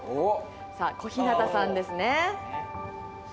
さあ小日向さんですね。